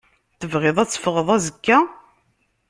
Tebɣiḍ ad teffɣeḍ azekka?